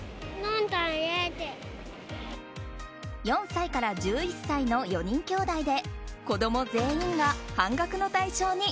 ４歳から１１歳の４人兄弟で子供全員が半額の対象に。